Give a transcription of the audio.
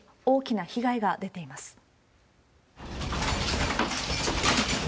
大きな被害が出ています。